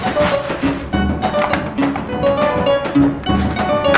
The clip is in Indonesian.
siapa tau saja